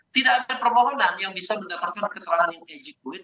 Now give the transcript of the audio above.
tidak ada permohonan yang bisa mendapatkan keterangan yang egy quid